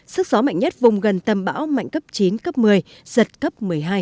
sức gió mạnh nhất vùng gần tâm bão mạnh cấp chín cấp một mươi giật cấp một mươi hai